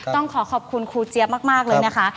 ต้องขอขอบคุณครูเจี๊ยบมากเลยนะคะ